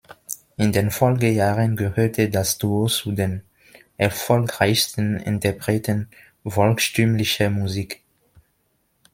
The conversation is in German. In den Folgejahren gehörte das Duo zu den erfolgreichsten Interpreten volkstümlicher Musik.